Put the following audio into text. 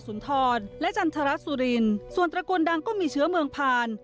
สุนทรและจันทรสุรินส่วนตระกูลดังก็มีเชื้อเมืองผ่าน